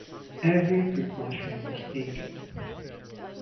Every precaution was taken.